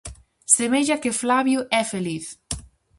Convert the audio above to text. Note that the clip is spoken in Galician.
Semella que Flavio é feliz.